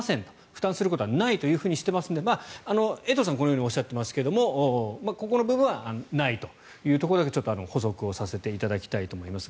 負担することはないとしていますので江藤さん、このようにおっしゃっていますがここの部分はないというところだけちょっと補則をさせていただきたいと思います。